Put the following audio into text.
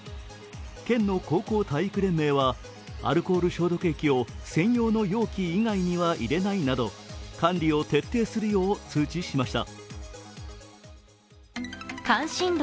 県の高校体育連盟はアルコール消毒液を専用の容器以外には入れないなど管理を徹底するよう通知しました。